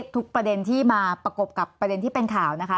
ประเด็นที่มาประกบกับประเด็นที่เป็นข่าวนะคะ